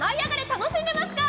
楽しんでいますか？